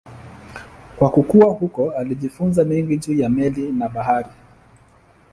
Kwa kukua huko alijifunza mengi juu ya meli na bahari.